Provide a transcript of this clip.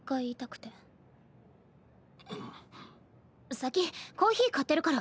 先コーヒー買ってるから。